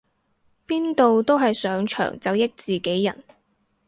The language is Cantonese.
邊度都係上場就益自己人